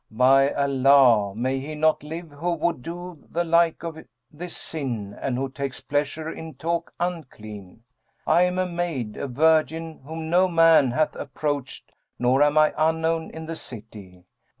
By Allah, may he not live who would do the like of this sin and who takes pleasure in talk unclean! I am a maid, a virgin whom no man hath approached, nor am I unknown in the city.